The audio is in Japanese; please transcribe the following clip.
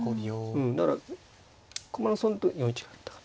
だから駒の損得４一だったか。